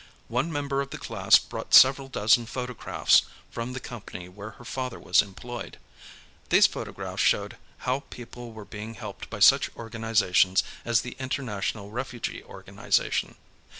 One member of the class brought several dozen photographs from the comjiany where her father was emploved. These photographs showed how people were being helped by such organizations as the International Refugee Organization.